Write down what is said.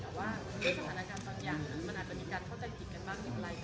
แต่ว่าถ้าได้ส่วนที่เราเป็นเพื่อนผมคิดว่าอย่างนู้นเนี่ย